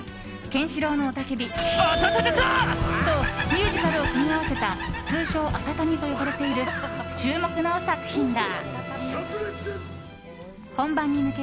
ケンシロウの雄たけび「アタタタタ！」とミュージカルを組み合わせた通称アタタミュと呼ばれている注目の作品だ。